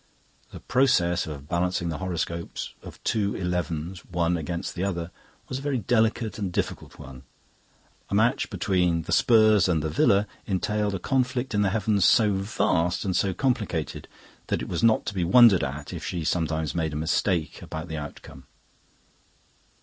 The process of balancing the horoscopes of two elevens one against the other was a very delicate and difficult one. A match between the Spurs and the Villa entailed a conflict in the heavens so vast and so complicated that it was not to be wondered at if she sometimes made a mistake about the outcome.